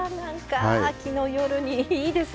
秋の夜にいいですね。